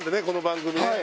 この番組。